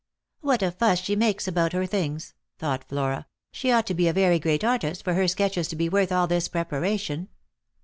"What a fuss she makes about her things," thought Flora; " she ought to be a very great artist for her sketches to be worth all this preparation."